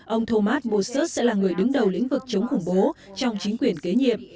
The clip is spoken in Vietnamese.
ông thomas bosit sẽ là người đứng đầu lĩnh vực chống khủng bố trong chính quyền kế nhiệm